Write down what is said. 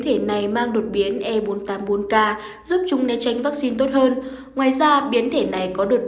thể này mang đột biến e bốn trăm tám mươi bốn k giúp chúng né tránh vắc xin tốt hơn ngoài ra biến thể này có đột